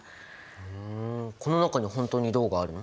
ふんこの中に本当に銅があるの？